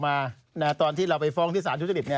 คำสั่งออกมาตอนที่เราไปฟ้องที่ศาลทุจริปเนี่ย